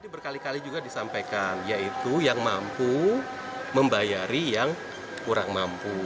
ini berkali kali juga disampaikan yaitu yang mampu membayari yang kurang mampu